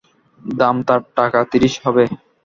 দাম তার টাকা ত্রিশ হবে।